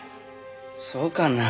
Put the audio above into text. そうかな？